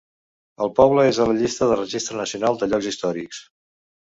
El poble és a la llista del Registre Nacional de Llocs Històrics.